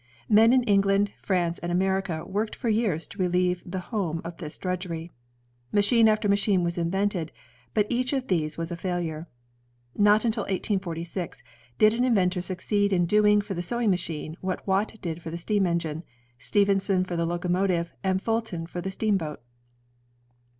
Men in England, France, and America worked for years to relieve the home of this drudgery. Machine after machine was invented, but each of these was a failure. Not until 1846, did an inventor succeed in doing for the sewing machine what Watt did .for the steam engine, Stephenson for the locomotive, and Fulton for the steam boat.